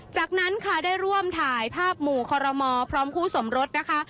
จากนั้นค่ะได้ร่วมถ่ายภาพหมู่คอรมอพร้อมคู่สมรสนะคะ